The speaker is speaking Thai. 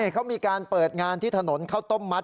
เขามีการเปิดงานที่ถนนข้าวต้มมัด